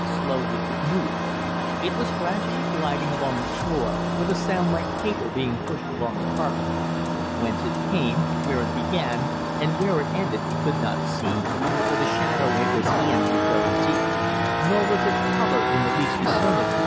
Slowly it moved. It was gradually gliding along the floor, with a sound like paper being pushed along a carpet. Whence it came, where it began and where it ended, we could not see, for the shadow it was in was very deep. Nor was its colour in the least discernible.